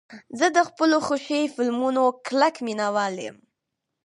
زه د خپلو خوښې فلمونو کلک مینهوال یم.